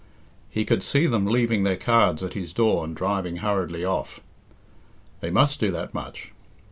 He could see them leaving their cards at his door and driving hurriedly off. They must do that much.